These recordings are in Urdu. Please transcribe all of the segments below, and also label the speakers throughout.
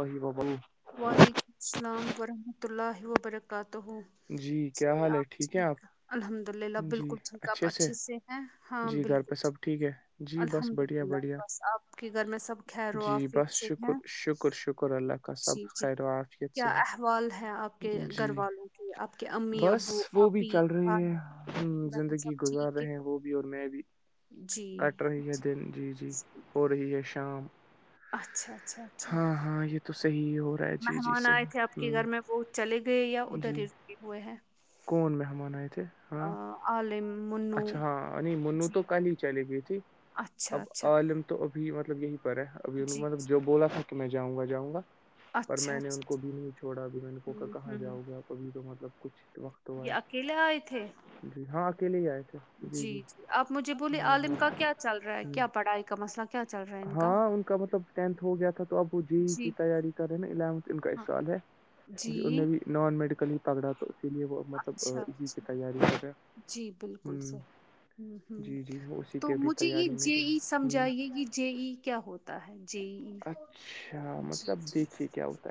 Speaker 1: بی
Speaker 2: وعلیکم السلام ورحمۃ اللہ وبرکاتہ
Speaker 1: جی کیا حال ہے ٹھیک ہیں آپ
Speaker 2: الحمد للہ بالکل ٹھیک آپ اچھے سے ہیں ہاں
Speaker 1: جی گھر
Speaker 2: بالکل
Speaker 1: پہ سب ٹھیک ہے جی بس
Speaker 2: الحمد
Speaker 1: بڑھیا
Speaker 2: للہ
Speaker 1: بڑھیا
Speaker 2: بس آپ کے گھر میں سب خیر و
Speaker 1: جی بس
Speaker 2: عافیت سے
Speaker 1: شکر
Speaker 2: ہیں
Speaker 1: شکر شکر شکر اللہ کا سب
Speaker 2: جی جی
Speaker 1: خیر وفت
Speaker 2: کیا
Speaker 1: سے ہے
Speaker 2: احوال ہے آپ کے گھر
Speaker 1: جی
Speaker 2: والوں کے آپ کے امی
Speaker 1: بس
Speaker 2: ابو
Speaker 1: وہ بھی
Speaker 2: آپی
Speaker 1: چل رہی
Speaker 2: بھائی
Speaker 1: ہے
Speaker 2: بہن
Speaker 1: زندگی
Speaker 2: سب
Speaker 1: گزار
Speaker 2: ٹھیک ہے
Speaker 1: رہے ہیں وہ بھی اور میں بھی
Speaker 2: جی
Speaker 1: کٹ رہی ہے دن جی جی ہو رہی ہے شام
Speaker 2: اچھا اچھا اچھا
Speaker 1: ہاں ہاں یہ تو صحیح ہو رہا ہے جی جی
Speaker 2: مہمان آئے تھے
Speaker 1: صحیح
Speaker 2: آپ کے
Speaker 1: ہ
Speaker 2: گھر میں وہ چلے گئے یا
Speaker 1: جی
Speaker 2: ادھر اے ہوئے ہیں
Speaker 1: کون مہمان آئے تھے ہاں
Speaker 2: آلے
Speaker 1: اچھا ہاں نہیں منو تو کل ہی چلی گئی تھی
Speaker 2: اچھا
Speaker 1: اب
Speaker 2: اچھا
Speaker 1: عالم تو ابھی مطلب یہی پر ہے ابھی ان
Speaker 2: جی
Speaker 1: مطلب جو بولا تھا کہ میں جاؤں گا جاؤ گا پر
Speaker 2: اچھا اچھا
Speaker 1: میں نے ان کو
Speaker 2: اچھا
Speaker 1: بھی نہیں چھوڑا اب میں نے کوا
Speaker 2: ہوں
Speaker 1: کہاں
Speaker 2: ہوں
Speaker 1: جاؤ گے آپ ابھی تو مطلب کچھ وقت وہ
Speaker 2: یہ
Speaker 1: ہے
Speaker 2: اکیلے آئے تھے
Speaker 1: جی ہاں اکیلے جئے تھے
Speaker 2: جی جی آپ مجھے بولیے
Speaker 1: ہاں
Speaker 2: عالم
Speaker 1: ہاں
Speaker 2: کا کیا چل رہا ہے
Speaker 1: ہوں
Speaker 2: کیا پڑھائی کا مسئلہ کیا چل رہا ہے ان کا
Speaker 1: ہاں کا مطلب ٹینتھ ہو گیا تھا تو اب وہ جے ای کی
Speaker 2: جی
Speaker 1: تیاری کر رہے نا اونتھ ان کا اس
Speaker 2: ہاں
Speaker 1: سال ہے ان نے
Speaker 2: جی
Speaker 1: بھی نان میڈیکل ہی پکڑا تو اسی لیے وہ مطلب
Speaker 2: اچھا
Speaker 1: اسی کی
Speaker 2: اچھا
Speaker 1: تیاری کر رہا
Speaker 2: جی بالکل سر ہ ہوں
Speaker 1: جی جی وہ اسی کی
Speaker 2: تو
Speaker 1: ابھی
Speaker 2: مجھے یہ
Speaker 1: تیاری میں
Speaker 2: جے
Speaker 1: جو
Speaker 2: ای
Speaker 1: ہے ہ
Speaker 2: سمجھائیے کہ جے ای کیا ہوتا ہے جے ای
Speaker 1: اچھا
Speaker 2: جی
Speaker 1: مطلب
Speaker 2: جی
Speaker 1: دیکھیے کیا ہوتا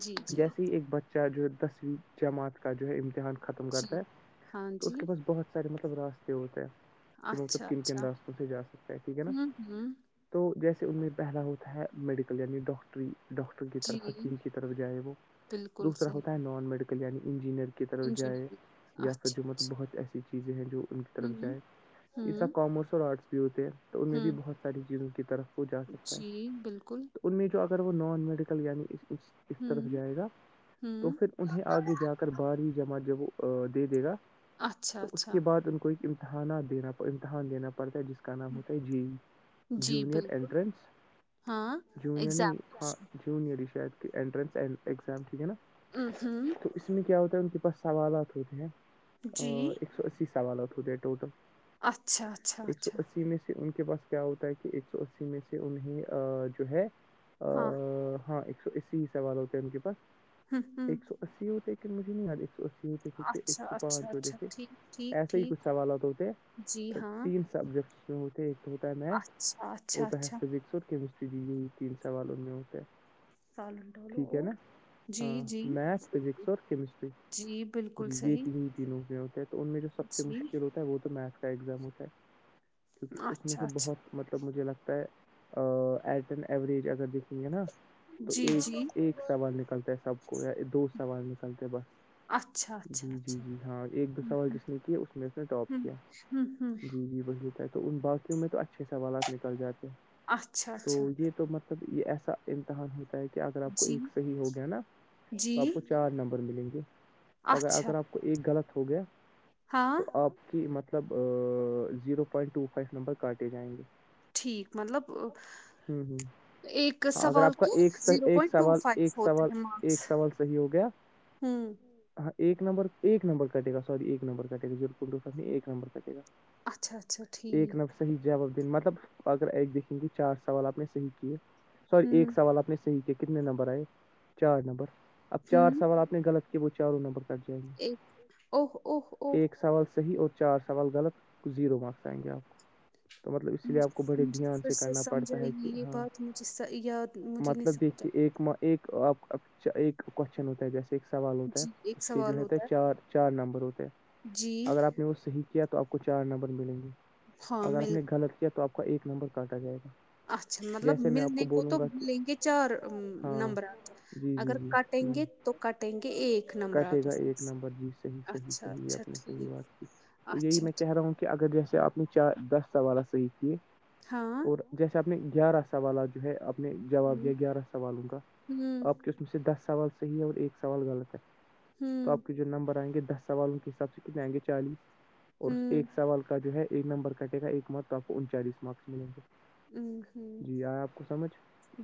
Speaker 2: جی جی
Speaker 1: جیسے ہی ایک ب چاہ جو ہے دسویں جماعت کا جو ہے امتحان ختم
Speaker 2: جی
Speaker 1: کرتا ہے
Speaker 2: ہاں
Speaker 1: تو اس
Speaker 2: جی
Speaker 1: کے پاس بہت سارے مطلب راستے ہوتے ہیں کہ مطلب
Speaker 2: اچھا
Speaker 1: کن کن
Speaker 2: اچھا
Speaker 1: راستوں سے جا سکتا ہے ٹھیک ہے نا
Speaker 2: ہوں ہوں
Speaker 1: تو جیسے ان میں پہلا ہوتا ہے میڈیکل یعنی ڈاکٹر ڈاکٹر کی
Speaker 2: جی
Speaker 1: طرف حکیم کی طرف جائے وہ
Speaker 2: بالکل
Speaker 1: دوسرا
Speaker 2: صحیح
Speaker 1: ہوتا ہے نان میڈیکل یعنی انجینئر کی طرف جائے
Speaker 2: انجینئرنگ
Speaker 1: یا پھر
Speaker 2: اچھا
Speaker 1: جعت
Speaker 2: اچھا
Speaker 1: بہت ایسی چیزیں ہیں جو ان کی طرف
Speaker 2: ہوں
Speaker 1: جائے جیسر
Speaker 2: ہوں
Speaker 1: کامرس اور آرٹس بھی ہوتے ہیں تو ان میں بھی
Speaker 2: ہوں
Speaker 1: بہت ساری چیزوں کی طرف وہ جا سکتا ہے
Speaker 2: جی بالکل
Speaker 1: تو ان میں جو اگر وہ نان میڈیکل یعنی اس طرف
Speaker 2: ہوں،
Speaker 1: جائے گا تو
Speaker 2: ہوں۔
Speaker 1: پھر انہیں آگے جا کر بارہویں جماعت جب وہ دے دے گا
Speaker 2: اچھا،
Speaker 1: تو اس
Speaker 2: اچھا،
Speaker 1: کے بعد ان کو ایک امتحانات دینا امتحان دینا پڑتا ہے جس کو کراموں ت جی
Speaker 2: جی
Speaker 1: جنیئر
Speaker 2: بالکل،
Speaker 1: اینٹرنس
Speaker 2: ہاں،
Speaker 1: جوئر
Speaker 2: ایگزامینیشن،
Speaker 1: نہیں جوئر ہی شایدٹن ایگزام ٹھیک ہے نا
Speaker 2: اوں ہوں
Speaker 1: تو اس میں کیا ہوتا ہے ان کے پاس سوالات ہوتے ہیں
Speaker 2: جی،
Speaker 1: ایک سو اسی سوالات ہوتے ہیں ٹوٹل
Speaker 2: اچھا، اچھا،
Speaker 1: ایک سو
Speaker 2: اچھا،
Speaker 1: اسی میں سے ان کے پاس کیا ہوتا ہے کہ ایک سو اسی میں سے انہیں جو ہے
Speaker 2: ہاں،
Speaker 1: ہاں ایک سو اسی سوال ہوتے ہیں ان کے پاس
Speaker 2: ہوں، ہوں،
Speaker 1: ایک سو اسی ہوتےیک مجھے نہیں یاد ایک سو اسی ہوتے تھے کہ ایک
Speaker 2: اچھا،
Speaker 1: سو
Speaker 2: اچھا،
Speaker 1: پانچ ہوتے
Speaker 2: اچھا،
Speaker 1: تھے
Speaker 2: ٹھیک، ٹھیک،
Speaker 1: ایسے ہی
Speaker 2: ٹھیک،
Speaker 1: کچھ سوالات ہوتے
Speaker 2: جی ہاں،
Speaker 1: تین سو سبجیکٹس میں ہوتے ایک تو ہوتا ہے میتھ
Speaker 2: اچھا، اچھا،
Speaker 1: ہوتا ہے
Speaker 2: اچھا،
Speaker 1: ف اور کیمسٹریی یہی تین سوال ان میں ہوتے ہیں
Speaker 2: سالن ڈالو
Speaker 1: ٹھیک ہے
Speaker 2: اور
Speaker 1: نا
Speaker 2: جی،
Speaker 1: ہاں
Speaker 2: جی،
Speaker 1: میتھ فزکس اور کیمسٹری
Speaker 2: جی، بالکل
Speaker 1: جی یہ
Speaker 2: صحیح،
Speaker 1: تین دنوں میں ہوتا ہے تو ان میں جو سب سے
Speaker 2: جی،
Speaker 1: مشکل ہوتا وہ تو میتھس کا ایگزام ہوتا ہے کیونکہ اس میں
Speaker 2: اچھا،
Speaker 1: سے
Speaker 2: اچھا،
Speaker 1: بہت مطلب مجھے لگتا ہے ایٹن ایوریج اگر دیکھیں گے نا تو
Speaker 2: جی،
Speaker 1: ایک
Speaker 2: جی،
Speaker 1: ایک سوال نکلتا ہے سب کو یا دو سوال نکلتے بس
Speaker 2: اچھا، اچھا،
Speaker 1: جی جی
Speaker 2: اچھا،
Speaker 1: جی ہاں ایک دو
Speaker 2: ہوں،
Speaker 1: سوال
Speaker 2: ہوں،
Speaker 1: جس نے کیا اس میں اس نے ٹاپ
Speaker 2: ہوں،
Speaker 1: کیا
Speaker 2: ہوں، ہوں،
Speaker 1: جی جی وہی تو ان باقیوں میں تو اچھے سوالات نکل جاتے
Speaker 2: اچھا،
Speaker 1: تو
Speaker 2: اچھا،
Speaker 1: یہ تو مطلب یہ ایسا امتحان ہوتا ہے کہ اگر آپ کو
Speaker 2: جی
Speaker 1: ایک صحیح ہو گیا نا تو
Speaker 2: جی
Speaker 1: آپ کو چار نمبر ملیں گے اگر
Speaker 2: اچھا
Speaker 1: اگر آپ کو ایک غلط ہو گیا
Speaker 2: ہاں
Speaker 1: تو آپ کہ مطلب zero point two five number کاٹے جائیں گے
Speaker 2: ٹھیک مطلب اہ،
Speaker 1: ہوں ہوں
Speaker 2: ایک
Speaker 1: ہاں اگر
Speaker 2: سوال
Speaker 1: آپ کا
Speaker 2: کے
Speaker 1: ایک ایک سوال ایک
Speaker 2: ہوتے
Speaker 1: سوال
Speaker 2: ہیں مارکس
Speaker 1: ایک سوال صحیح ہو گیا
Speaker 2: ہوں
Speaker 1: ہاں ایک نمبر ایک نمبر کٹے گا سوری ایک نمبر کٹے گا ایک نمبر کٹے گا
Speaker 2: اچھا اچھا ٹھیک
Speaker 1: صحی جواب دیں مطلب اگر ایک دیکھیں گے چار سوال آپ نے صحیح کیے سوری
Speaker 2: ہوں
Speaker 1: ایک سوال آنے حی کیا کتنے نمبر آئے چار نمبر اب چار
Speaker 2: ہوں
Speaker 1: سوال آپ نے غلط کیا وہ چاروں نمبر جائ
Speaker 2: ایک اوہ اوہ
Speaker 1: گے
Speaker 2: اوہ
Speaker 1: ایک سوال صحی ہوتا چار سوال غلط زیرو مارکس آئیں گے آپ کو تو مطلب اس لیے
Speaker 2: مجھے
Speaker 1: آپ کو بڑے
Speaker 2: مجھے
Speaker 1: دھیان سے
Speaker 2: پھر
Speaker 1: نا پڑتا ہے کہ
Speaker 2: سمجھائیے یہ
Speaker 1: ہاں
Speaker 2: بات مجھے س یاد مجھے نہیں
Speaker 1: مطلب
Speaker 2: سمجھ
Speaker 1: دیکھیے ایک ایک ایک کون ہوتا ہے جیسے ایک سوال
Speaker 2: آئی
Speaker 1: ہوتا ہے
Speaker 2: جی ایک
Speaker 1: اس کے جو
Speaker 2: سوال
Speaker 1: ہےتے
Speaker 2: ہوتا
Speaker 1: چار چار نمبر ہوتے ہیں
Speaker 2: ہے جی
Speaker 1: اگر آپ نے وہ صحیح کیا تو آپ کو چار نمبر ملیں گے
Speaker 2: ہاں
Speaker 1: اگر آپ
Speaker 2: مل
Speaker 1: نے غلط کیا تو آپ کا ایک نمبر کاٹا جائے گا
Speaker 2: اچھا مطلب
Speaker 1: جیسے میں آپ
Speaker 2: ملنے کو
Speaker 1: بولوں
Speaker 2: تو
Speaker 1: گا کہ
Speaker 2: ملیں گے چار
Speaker 1: ہاں
Speaker 2: نمبرات
Speaker 1: جی جی
Speaker 2: اگر
Speaker 1: جی ہ
Speaker 2: کٹیں گے تو کٹیں گے ایک
Speaker 1: کٹے
Speaker 2: نمبرات
Speaker 1: گا
Speaker 2: اس میں
Speaker 1: ایک نمبر جی صحیح صحیح
Speaker 2: اچھا
Speaker 1: صحیح
Speaker 2: اچھا
Speaker 1: آپ نے صحیح بات کی
Speaker 2: ٹھیک
Speaker 1: تو یہی
Speaker 2: اچھا
Speaker 1: میں
Speaker 2: ٹھ
Speaker 1: کہہ رہا ہوں کہ اگر جیسے آپ نے چار دس سوالات صحیح کیے
Speaker 2: ہاں
Speaker 1: اور جیسے آپ نے گیارہ سوالات جو ہے آپ نے جواب
Speaker 2: ہوں
Speaker 1: دیا گیارہ سوالوں کا
Speaker 2: ہوں
Speaker 1: آپ کے اس میں سے دس سوال صحیح ہے اور ایک سوال غلط ہے تو
Speaker 2: ہوں
Speaker 1: آپ کے جو نمبر آئیں گے دس سوال ان کے حساب سے کتنےیں گے چالیس اور اس
Speaker 2: ہوں
Speaker 1: ایک سوال کو کا جو ہے ایک نمبر کٹے گا ایک مت تو آپ کو انچالیس مارکس ملیں گے
Speaker 2: اوں ہوں
Speaker 1: جی آئے آپ کو سمجھ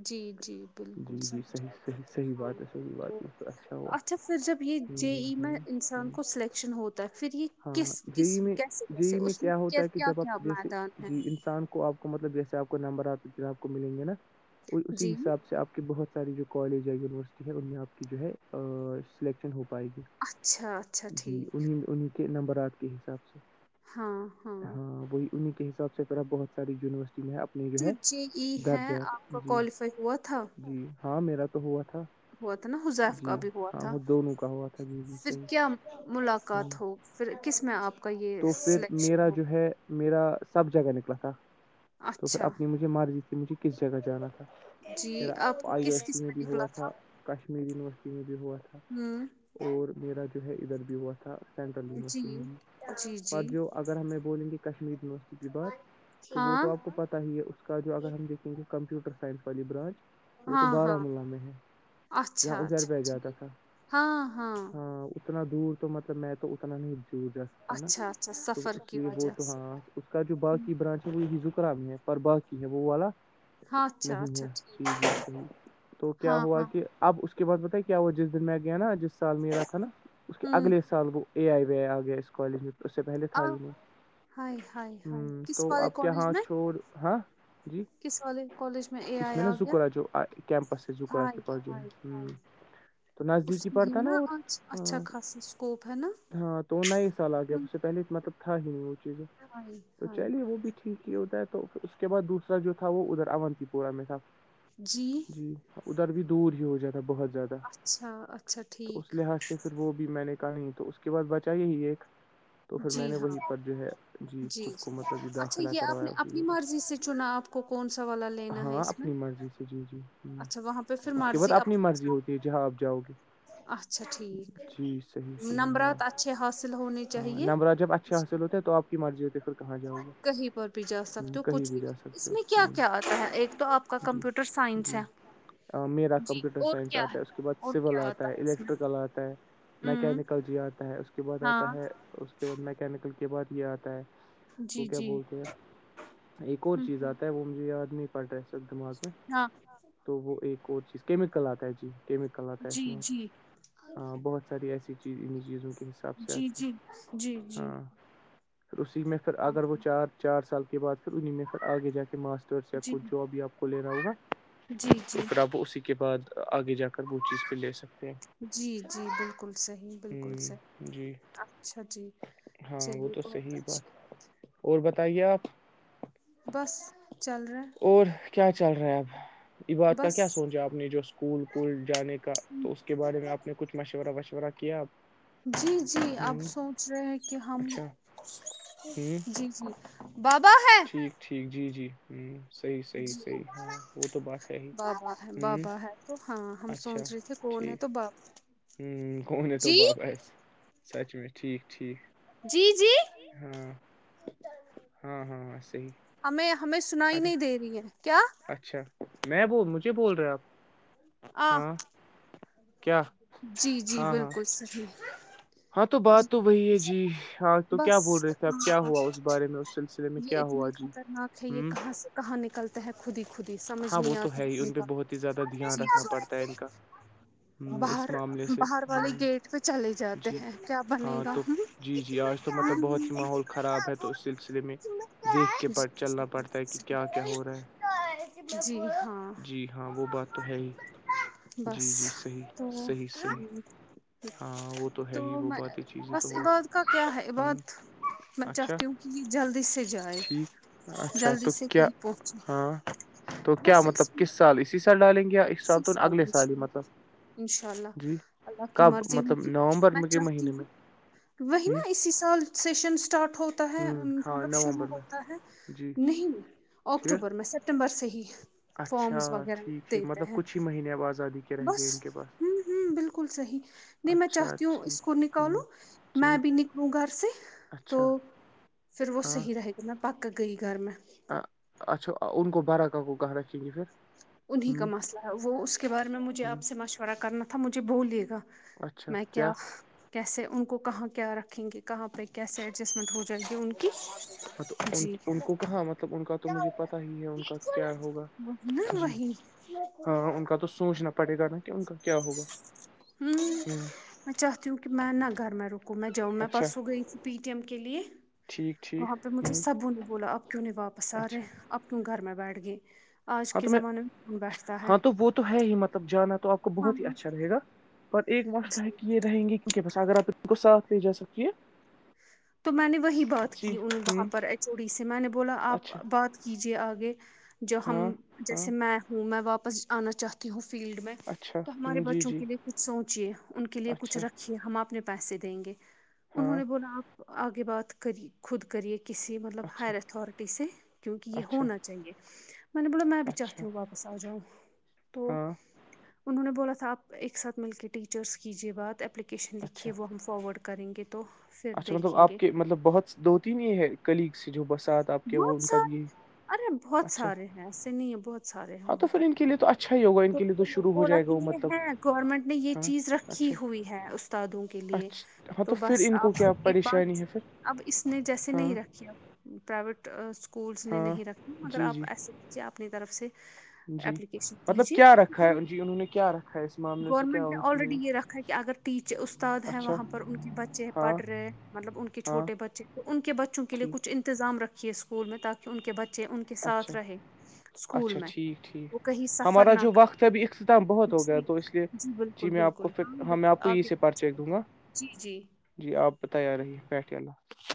Speaker 2: جی جی بالکل
Speaker 1: جی جی
Speaker 2: سمجھ
Speaker 1: صحیح صحیح صحیح
Speaker 2: ہاں
Speaker 1: بات ہے صحیح
Speaker 2: تو
Speaker 1: بات ہے ہوا
Speaker 2: اچھا پھر جب یہ جے
Speaker 1: ہوں
Speaker 2: ای میں
Speaker 1: ہ
Speaker 2: انسان
Speaker 1: ہ
Speaker 2: کو سلیکشن ہوتا ہے پھر یہ
Speaker 1: ہاں
Speaker 2: کس کس
Speaker 1: جی میں
Speaker 2: کیسے کیسے
Speaker 1: جی میں
Speaker 2: اس
Speaker 1: کیا ہوتا ہے کہ
Speaker 2: کیا
Speaker 1: جب
Speaker 2: کیا
Speaker 1: آپ جیسے
Speaker 2: میدان ہے
Speaker 1: جی انسان کو اب مطلب جیسے آپ کو نمبر آتا ج آپ کو ملیں گے نا اور اسی
Speaker 2: جی
Speaker 1: حساب سے آپ کو کہ بہت ساری جو کالج ہے یونیورسٹی ہے ان میں آپ کی جو ہے سلیکشن ہو پائے گی
Speaker 2: اچھا اچھا
Speaker 1: جی
Speaker 2: ٹھیک
Speaker 1: انیں انیں نمبر آٹ کے حساب سے ہاں وہی انہیں کے حساب سے پھر بہت یونیورسٹی میں اپنے جو ہے
Speaker 2: جے ای ہے
Speaker 1: درجات
Speaker 2: آپ کا
Speaker 1: جی
Speaker 2: کوالیفائی ہوا تھا
Speaker 1: جی ہاں میرا تو ہوا تھا
Speaker 2: ہوا تھا نا حذیف
Speaker 1: جی
Speaker 2: کا بھی ہوا
Speaker 1: ہاں
Speaker 2: تھا
Speaker 1: وہ دونوں کا ہوا تھا جی جی
Speaker 2: پھر
Speaker 1: صحیح
Speaker 2: کیا
Speaker 1: ہ
Speaker 2: ملاقات ہو پھر کس میں آپ کا یہ
Speaker 1: تو پھر
Speaker 2: سلیکشن
Speaker 1: میرا
Speaker 2: ہو
Speaker 1: جو ہے میرا سب جگہ نکلا تھا تو پھر
Speaker 2: اچھا
Speaker 1: اپنی مجھے مرضی تھی مجھے کس جگہ جانا تھا
Speaker 2: جی
Speaker 1: میرا
Speaker 2: آپ کو
Speaker 1: آئی او
Speaker 2: کس
Speaker 1: ایس ٹی
Speaker 2: کس
Speaker 1: میں بھی
Speaker 2: نکلا
Speaker 1: ہوا تھا کشمییر یونیورسٹی میں بھی ہوا تھا
Speaker 2: ہوں
Speaker 1: اور میرا جو ہے ادھر بھی ہوا تھا سینٹرل
Speaker 2: جی
Speaker 1: یونیورسٹی میں بھی
Speaker 2: جی
Speaker 1: پر
Speaker 2: جی
Speaker 1: جوب اگر ہمیں بولیں گے کشمیر یونیورسٹی کی بات تو وہ تو
Speaker 2: ہاں
Speaker 1: آپ کو پتہ ہی ہے اس کا جو اگر ہم دیکھیں گے کمپیوٹر سائنس والی برانچ وہ تو
Speaker 2: ہاں ہاں
Speaker 1: باراملہ میں ہے جہاں
Speaker 2: اچھا
Speaker 1: ازیر
Speaker 2: اچھا
Speaker 1: پہ جاتا
Speaker 2: ٹھیک
Speaker 1: تھا ہاں اتنا دور تو مطلب میں تو اتنا نہیں دور جا ہے نا
Speaker 2: اچھا اچھا
Speaker 1: تو
Speaker 2: سفر
Speaker 1: اس
Speaker 2: کی
Speaker 1: لیے وہ
Speaker 2: وجہ
Speaker 1: تو
Speaker 2: سے
Speaker 1: ہاں اس کا جو
Speaker 2: ہوں،
Speaker 1: باقی برانچ وہ بھی زکرہ میں ہے پر باقی ہے وہ والا
Speaker 2: ہاں اچھا
Speaker 1: نہیں
Speaker 2: اچھا
Speaker 1: ہے
Speaker 2: ٹھیک
Speaker 1: جی جی صحیح تو کیا
Speaker 2: ہاں
Speaker 1: ہوا
Speaker 2: ہاں
Speaker 1: کہ اب اس کے بعد بت کیا ہوا جس دن میں گیا نا جس سال میرا تھا نا اس کے
Speaker 2: ہوں
Speaker 1: اگلے سال وہ اے آئی و آئی آ گیا اس کالج میں اس سے پہلے تھا
Speaker 2: آ
Speaker 1: ہی نہیں ہ
Speaker 2: ہائے ہائے ہائے
Speaker 1: تو
Speaker 2: کس والے
Speaker 1: اپ اور ہاں جی
Speaker 2: ک والال کالج اے
Speaker 1: اس
Speaker 2: آئی
Speaker 1: میں نا
Speaker 2: آ گیا
Speaker 1: زکرہ جو کیمپس سے زکرہ
Speaker 2: ہائے
Speaker 1: کے پاس جو ہے
Speaker 2: ہائے ہائے
Speaker 1: ہ تو نزدیک
Speaker 2: اس
Speaker 1: ہی
Speaker 2: میں
Speaker 1: پڑتا
Speaker 2: ہے
Speaker 1: نا اور
Speaker 2: آج اچھا
Speaker 1: ہ
Speaker 2: خاصا اسکوپ ہے نا
Speaker 1: ہاں تو وہ نئے سال آ گیا
Speaker 2: ہم،
Speaker 1: اس سے پہلے مطلب تھا ہی نہیں وہ چیزیں
Speaker 2: ہائے
Speaker 1: تو
Speaker 2: ہائے
Speaker 1: چلیے وہ بھی ٹھیک یہ ہوتا ہے توھر اس کے بعد دوسرا جو تھا وہ ادھر اونتی پورہ میں تھا جی ادھر بھی دور ہی ہو جاتا بہت زیادہ
Speaker 2: اچھا اچھا
Speaker 1: تو اس
Speaker 2: ٹھیک
Speaker 1: لحاظ سے سے پھر وہ بھی میں نے کہی تو اس کے بعد بچائیے ہی ایک تو پھر میں
Speaker 2: جی
Speaker 1: نے
Speaker 2: ہاں
Speaker 1: وہیں پر جو ہے
Speaker 2: جی
Speaker 1: خود کو
Speaker 2: جی
Speaker 1: مطلب
Speaker 2: اچھا
Speaker 1: داخلہ
Speaker 2: یہ آپ
Speaker 1: کروایا
Speaker 2: نے
Speaker 1: اسی
Speaker 2: اپنی
Speaker 1: جگہ
Speaker 2: مرضی سے چنا آپ کون سا والا ل
Speaker 1: ہاں اپنی مرضی سے جی جی ہ
Speaker 2: اچھا وہاں پہ پھر
Speaker 1: اس کے بعد
Speaker 2: مرضی آپ
Speaker 1: اپنی مرضی ہوتی ہے جہاں آپ جاؤ گے
Speaker 2: اچھا ٹھیک
Speaker 1: جی صحیح صحیح ہاں
Speaker 2: نمبرات اچھ حاصل ہوونچ
Speaker 1: ہاں نمرہ جب اچھے حاصل ہوتے تو آپ کی مرضی ہوتی پھر کہاں جاؤ گے
Speaker 2: کہیں پر بھی جا
Speaker 1: ہ
Speaker 2: سکتے ہو
Speaker 1: کہیں
Speaker 2: کچھ بھی
Speaker 1: جا سکتے
Speaker 2: اس میں کیا
Speaker 1: ہو
Speaker 2: کیا آتا ہے ایک تو آپ جوکا
Speaker 1: ہ جی
Speaker 2: کمپیوٹر سائنس
Speaker 1: جی
Speaker 2: ہے
Speaker 1: میرا
Speaker 2: جی
Speaker 1: کمپیوٹر
Speaker 2: اور
Speaker 1: سائنس
Speaker 2: کیا
Speaker 1: آتا ہے اس کے بعد
Speaker 2: اور
Speaker 1: سول
Speaker 2: کیا
Speaker 1: آتا ہے
Speaker 2: اس میں
Speaker 1: الیکٹریکل آتا ہے
Speaker 2: ہوں
Speaker 1: میکینکل جی آتا ہے اس کے بعد آتا
Speaker 2: ہاں
Speaker 1: ہے اس کے بعد میکینکل کے بعد یہ آتا ہے سو
Speaker 2: جی
Speaker 1: کیا
Speaker 2: جی
Speaker 1: بولتے ہیں یار ایک اور
Speaker 2: ہوں
Speaker 1: چیز
Speaker 2: ہوں
Speaker 1: آتا ہے وہ مجھے یار پڑ رہے س دماغ میں
Speaker 2: ہاں
Speaker 1: تو وہ ایک اور چیز کیم کل آتا ہے جی کییمکلات آ
Speaker 2: جی جی
Speaker 1: نوراں بہت ساری ایسی چیز ان چیزوںک
Speaker 2: جی جی جی جی
Speaker 1: پھر اسی میں پھر
Speaker 2: ہاں
Speaker 1: اگر وہ چار چار سال کے بعد پھر انیں میں پھر آگے جا کے ماسٹر
Speaker 2: جی
Speaker 1: کو جواب بھی آپ کو لینا ہوگا
Speaker 2: جی
Speaker 1: تو
Speaker 2: جی
Speaker 1: پھر آپ اسی کے بعد آگے جا کر وہ چیز پہ لے سکتے ہیں
Speaker 2: جی جی بالکل صحیح بالکل
Speaker 1: ہ
Speaker 2: صحیح
Speaker 1: جی
Speaker 2: اچھا جی
Speaker 1: ہاں وہ
Speaker 2: چلیے
Speaker 1: تو
Speaker 2: بہت
Speaker 1: صحیح
Speaker 2: اچھا
Speaker 1: بات ہے اور بتائیے آپ
Speaker 2: بس چل رہے ہیں
Speaker 1: اور کیا چل رہا ہے اب یہ بات کا
Speaker 2: بس
Speaker 1: کیا سوچا آپ نے جو اسکول کوول جانے کا تو اس کے بارے میں آپ نے کچھ مشورہ وشورہ کیا آپ
Speaker 2: جی جی آپ سوچ رہے ہیں کہ ہم
Speaker 1: اچھا ہ
Speaker 2: جی جی بابا ہے
Speaker 1: ٹھیک ٹھیک جی جی صحیح صحیح
Speaker 2: جی
Speaker 1: صحیح ہاں وہ تو بات ہے ہی
Speaker 2: بابا ہے
Speaker 1: ہوں
Speaker 2: بابا ہے تو ہاں ہم
Speaker 1: اچھا
Speaker 2: سوچ رہے تھے کون ہے
Speaker 1: ٹھیک
Speaker 2: صبح
Speaker 1: کون تو بب اس سوچ میں ٹھیک ٹھیک
Speaker 2: جی جی
Speaker 1: ہاں ہاں ہاں صی
Speaker 2: ہمیں ہمیں سنائی نہیں دے رہی ہے کیا
Speaker 1: اچھا میں ب مجھے بول رہے آپ ہاں
Speaker 2: [unintelligible]
Speaker 1: کیا
Speaker 2: جی جی
Speaker 1: ہاں ہاں
Speaker 2: بالکل صحیح
Speaker 1: ہاں تو
Speaker 2: جی
Speaker 1: بات تو وہی ہے جی ہاں تو کیا بول
Speaker 2: بس
Speaker 1: رہے تھے اپ
Speaker 2: ہاں
Speaker 1: کیا ہوا اس بارے میں اس سلسللہ
Speaker 2: یہ اتنے خطرناک ہے یہ کہاں سے کہاں نکلتا ہے خود ہی خودی سمجھ
Speaker 1: ہاں وہ
Speaker 2: نہیں
Speaker 1: تو
Speaker 2: آتا ہے
Speaker 1: ہی
Speaker 2: اس
Speaker 1: ان پہ
Speaker 2: کا
Speaker 1: بہت زیادہ دھیان
Speaker 2: جی
Speaker 1: رکھنا پڑتا ہے ان
Speaker 2: جی
Speaker 1: کا ہ اس
Speaker 2: باہر
Speaker 1: معاملے سے
Speaker 2: باہر والے
Speaker 1: ہ
Speaker 2: گیٹ پہ چلے جاتے
Speaker 1: جی
Speaker 2: ہیں کیا بنے
Speaker 1: ہاں
Speaker 2: گا
Speaker 1: تو جی جی آج تو مطلب بہت ہی ماحول خراب ہے تو اس سلسلے میں دیکھ کے پڑ چلنا پڑتا ہے کہ کیا کیا ہو رہا ہے
Speaker 2: جی ہاں
Speaker 1: جی ہاں وہ بات تو ہے ہی
Speaker 2: بس
Speaker 1: جی جی صحیح
Speaker 2: تو
Speaker 1: صحیح صحیح ہاں وہ ہے
Speaker 2: تو
Speaker 1: ہی وہ
Speaker 2: میں
Speaker 1: باتیں چیزیں تو
Speaker 2: بس
Speaker 1: ہو
Speaker 2: عباد کا کیا ہے عباد
Speaker 1: ہوں،
Speaker 2: میں
Speaker 1: اچھا
Speaker 2: چاہتی ہوں کہ یہ جلدی سے جائے
Speaker 1: ٹھیک اچھا
Speaker 2: جلدی
Speaker 1: تو
Speaker 2: سے
Speaker 1: کیا
Speaker 2: کہیں
Speaker 1: ہاں
Speaker 2: پہنچے
Speaker 1: تو کیا
Speaker 2: بس
Speaker 1: مطلب
Speaker 2: اس میں
Speaker 1: کس سال اسی سال ڈالیں گے یا اس سال
Speaker 2: اسی
Speaker 1: تو اگلے سال ہی
Speaker 2: ہوں
Speaker 1: مطلب
Speaker 2: انشاء
Speaker 1: جی
Speaker 2: اللہ اللہ کی
Speaker 1: کب
Speaker 2: مرضی
Speaker 1: مطلب
Speaker 2: ہوگی
Speaker 1: نومبر
Speaker 2: میں
Speaker 1: کے
Speaker 2: چاہتی
Speaker 1: مہینے
Speaker 2: ہوں
Speaker 1: میں
Speaker 2: وہی
Speaker 1: ہ
Speaker 2: نا اسی سال سیشن اسٹارٹ ہو
Speaker 1: ہ
Speaker 2: ہے
Speaker 1: ہاں
Speaker 2: مطلب شروع
Speaker 1: نومبر میں
Speaker 2: ہوتا ہے
Speaker 1: جی
Speaker 2: نہیں
Speaker 1: ٹھیک
Speaker 2: اکٹوبر میں سب ستمبر صحی
Speaker 1: اچھا ٹھیک ٹھیک
Speaker 2: دیتا
Speaker 1: مطلب
Speaker 2: ہیں
Speaker 1: کچھ ہی مہینے اب آزادی کے رہ
Speaker 2: بس
Speaker 1: گئے ان کے پاس
Speaker 2: ہ ہوں بالکل صحیح نہیں میں
Speaker 1: اچھا
Speaker 2: چاہتی ہوں اس
Speaker 1: ٹھیک
Speaker 2: کوول
Speaker 1: ہوں
Speaker 2: نکالوں میں
Speaker 1: ٹھیک
Speaker 2: بھی نکلوں گھر سے تو
Speaker 1: اچھا
Speaker 2: پھر وہ
Speaker 1: ہاں
Speaker 2: صحی رہے گی میں پک گئی گھر میں
Speaker 1: اچھا ان کو بارا کاک کو کہاں رکھیں گے پھر ہ ہ
Speaker 2: [unintelligible] میں کیا کیسے ان کو کہاں کیا رکھیں گے کہاں پہ کیسے ایڈجسٹمنٹ ہو جلی ان کی
Speaker 1: ہاں تو
Speaker 2: جی
Speaker 1: ان کو کہاں مطلب ان کا تو مجھے پتا ہی ہے ان کا کیا ہوگا
Speaker 2: نا
Speaker 1: جی
Speaker 2: وہی ہوں
Speaker 1: ہاں ان کا تو سوچنا پڑے گا نا کہ ان کا کیا ہوگا
Speaker 2: وں
Speaker 1: ہ
Speaker 2: میں چاہتی ہوں کہ میں نہ گھر میں رکوں میں جاؤں میں
Speaker 1: اچھا
Speaker 2: پرسوں گی س پی ٹی ایم کے لیے
Speaker 1: ٹھیک ٹھیک
Speaker 2: وہاں پہ
Speaker 1: ہ
Speaker 2: مجھے سبوں نے بولا اب کیوں نے واپس آ رہے
Speaker 1: اچھا
Speaker 2: ہیں اب کیوں گھر میں بیٹھ گئے آج
Speaker 1: ہاں
Speaker 2: کے
Speaker 1: تو میں
Speaker 2: زمانے کون بیٹھتا ہے
Speaker 1: ہاں تو وہ تو ہے ہی مطلب جانا تو آپ
Speaker 2: ہاں
Speaker 1: بہت ہی اچھا رہے گا اور ایک مسئلہ
Speaker 2: جی
Speaker 1: کہ یہ رہیں گی کہ اوکے بس اگر آپ ان کو ساتھ لے جا سکتی ہے
Speaker 2: تو میں نے وہی بات
Speaker 1: جی
Speaker 2: کی وہاں
Speaker 1: ہوں
Speaker 2: پر ایچو ڈی سے میں نے بولا آپ
Speaker 1: اچھا
Speaker 2: بات کیجے آگے جو ہم
Speaker 1: ہاں ہاں
Speaker 2: جیسے میں ہوں میں واپس جانا چاہتی ہوں فیلڈ میں
Speaker 1: اچھا
Speaker 2: تو ہمارے
Speaker 1: ہ جی
Speaker 2: بچوں
Speaker 1: جی
Speaker 2: کے لیے کچھ سوچے ان کے لیے کچھ
Speaker 1: اچھا
Speaker 2: رکھ ہم اپنے پیسے دیں گے انہوں
Speaker 1: ہاں
Speaker 2: نے بولا آپ آگے بات کری خود کریے کہ کسی مطلب
Speaker 1: اچھا
Speaker 2: ہائر اتھارٹی سے کیونکہ یہ
Speaker 1: اچھا
Speaker 2: ہونا چاہیے میں نے بولا میں بھی
Speaker 1: اچھا
Speaker 2: چاہتی ہوں واپس بس آ جاؤ تو
Speaker 1: ہاں
Speaker 2: انہوں نے بولا تھا آپ ایک ساتھ مل کے ٹیچرس کیجیے بات اپلیکیشن
Speaker 1: اچھا
Speaker 2: لکھیے وہ ہم فارورڈ کریں گے تو پھر
Speaker 1: اچھا مطلب
Speaker 2: دیکھیں
Speaker 1: آپ
Speaker 2: گے
Speaker 1: کے مطلب بہت دو تین یہ ہے کلیگس جو بسات آپ کے وہ
Speaker 2: بہت
Speaker 1: ان کا
Speaker 2: سارے
Speaker 1: بھی یہ
Speaker 2: ارے بہت سارے ہیں ایسے نہیں ہے بہت سارے ہیں
Speaker 1: ہاں تو
Speaker 2: وہاں
Speaker 1: پھر ان کے لیے تو اچھا ہی ہوگا ان
Speaker 2: پر
Speaker 1: کے لیے تو شروع ہو
Speaker 2: بولا
Speaker 1: جائے گا
Speaker 2: کہ
Speaker 1: وہ
Speaker 2: یہ
Speaker 1: مطلب
Speaker 2: ہے گورنمنٹ نے یہ
Speaker 1: ہاں
Speaker 2: چیز رکھی
Speaker 1: اچھا
Speaker 2: ہوئی ہے استادوں کے لیے
Speaker 1: اچھا ہاں تو پھر ان کو کیا
Speaker 2: کے
Speaker 1: پریشانی
Speaker 2: بعس
Speaker 1: ہے پھر
Speaker 2: اب اس نے جیسے
Speaker 1: ہاں
Speaker 2: نہیں رکھیا پرائیویٹ اسکولس نے
Speaker 1: ہاں
Speaker 2: نہیں رکھے مگر
Speaker 1: جی
Speaker 2: آپ
Speaker 1: جی
Speaker 2: ایسے بچے اپنی طرف سے
Speaker 1: [unintelligible] جی
Speaker 2: اپلیکیشن
Speaker 1: مطلب
Speaker 2: دیجیے
Speaker 1: کیا رکھا
Speaker 2: ہم
Speaker 1: ہے جی انہوں نے کیا رکھا ہے اس معاملے سے کیا ان کی ہے
Speaker 2: ٹیچے استاد ہیں
Speaker 1: اچھا
Speaker 2: وہاں پر ان کے بچے پڑ
Speaker 1: ہاں
Speaker 2: رہے مطلب ان کے
Speaker 1: ہاں
Speaker 2: چھوٹے بچے ان کے بچوں کے لیے
Speaker 1: ٹھیک
Speaker 2: کچھ انتظام رکھیے اسکول میں تاکہ ان کے بچے چے ان کے ساتھ
Speaker 1: اچھا
Speaker 2: رہے اسکول
Speaker 1: اچھا
Speaker 2: میں
Speaker 1: ٹھیک ٹھیک
Speaker 2: وہ کہیں سفر
Speaker 1: ہمارا
Speaker 2: نہ
Speaker 1: جو
Speaker 2: کریں
Speaker 1: وقت ابھی اختتام بہت ہو گیا
Speaker 2: جی
Speaker 1: تو اس لیے جی
Speaker 2: بالکل
Speaker 1: میں آپ کو
Speaker 2: بالکل
Speaker 1: پھر ہاں میں
Speaker 2: بالکل
Speaker 1: آپ کو یہ
Speaker 2: آگے
Speaker 1: سے
Speaker 2: بڑھ
Speaker 1: پرچیک
Speaker 2: چلیں
Speaker 1: دوں گا
Speaker 2: جی جی
Speaker 1: جی آپ بتائی آ رہی ہیں بیٹھے اللہ